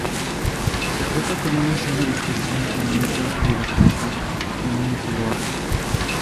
Se agota con una sola disposición económica del acreditado, en un solo acto.